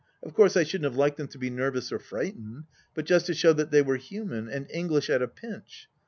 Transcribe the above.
Of course I shouldn't have liked them to be nervous or frightened, but just to show that they were human, and English at a pinch.